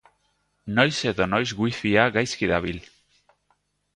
Noiz edo noiz wifia gaizki dabil.